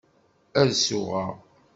Ad suɣeɣ.